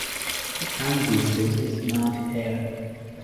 The county seat is Mount Ayr.